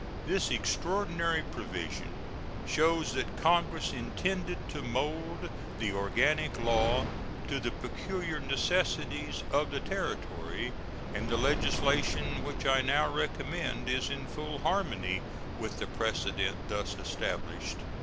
This extraordinary provision shows that Congress intended to mold the organic law to the peculiar necessities of the Territory, and the legislation which I now recommend is in full harmony with the precedent thus established.